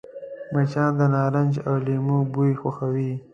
مچان د نارنج او لیمو بوی خوښوي